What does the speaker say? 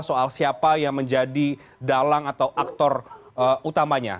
soal siapa yang menjadi dalang atau aktor utamanya